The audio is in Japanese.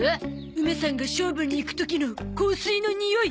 梅さんが勝負に行く時の香水のにおい！